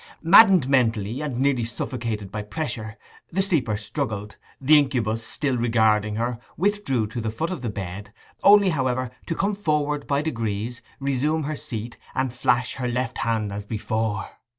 Maddened mentally, and nearly suffocated by pressure, the sleeper struggled; the incubus, still regarding her, withdrew to the foot of the bed, only, however, to come forward by degrees, resume her seat, and flash her left hand as before.